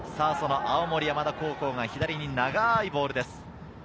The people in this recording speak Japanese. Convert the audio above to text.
青森山田高校が左に長いボールです。